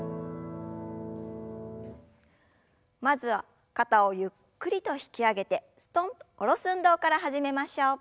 まずは肩をゆっくりと引き上げてすとんと下ろす運動から始めましょう。